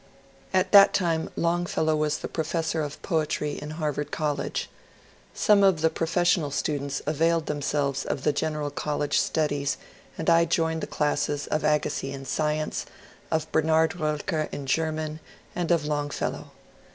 At that time Longfellow was the professor of poetry in Harvard College. Some of the professional students availed themselves of the general college studies, and I joined the classes of Agassiz in science, of Bernard Roelker in German, and of Longfellow.